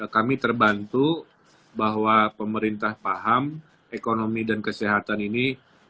kami terbantu bahwa pemerintah paham ekonomi dan kesehatan ini